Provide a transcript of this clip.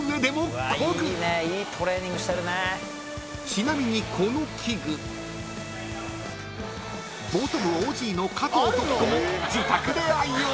［ちなみにこの器具ボート部ＯＧの加藤登紀子も自宅で愛用］